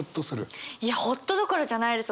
いやホッとどころじゃないです。